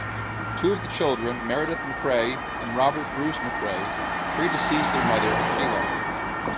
Two of the children, Meredith MacRae and Robert Bruce MacRae, predeceased their mother, Sheila.